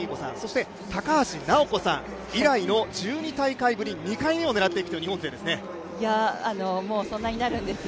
高橋尚子さん以来の１２大会ぶり、２回目を狙っていくという日本勢です。